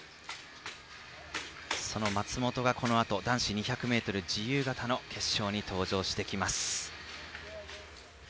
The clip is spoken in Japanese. その松元がこのあと男子２００ｍ自由形の決勝に登場してきます。